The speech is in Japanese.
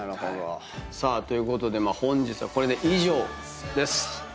さあということで本日はこれで以上です。